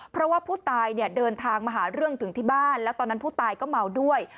เพราะว่าผู้ตายเนี่ยเดินทางมาหาเรื่องถึงที่บ้านแล้วตอนนั้นผู้ตายก็เมาด้วย